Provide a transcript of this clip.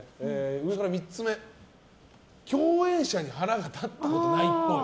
上から３つ目、共演者に腹が立ったことないっぽい。